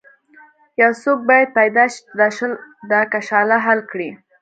یو څوک باید پیدا شي چې دا کشاله حل کړي.